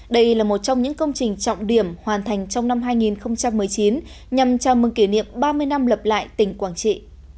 đây là một trong những công trình trọng điểm hoàn thành trong năm hai nghìn một mươi chín nhằm chào mừng kỷ niệm ba mươi năm lập lại tỉnh quảng trị